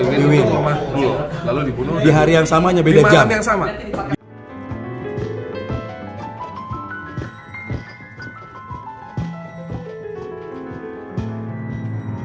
di wili neng di hari yang samanya beda jam yang sama